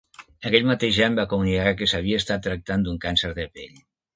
Aquell mateix any va comunicar que s'havia estat tractant d'un càncer de pell.